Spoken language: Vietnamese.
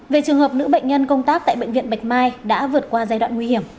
về trường hợp nữ bệnh nhân công tác tại bệnh viện bạch mai đã vượt qua giai đoạn nguy hiểm